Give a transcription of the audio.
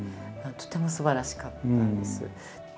とてもすばらしかったんです。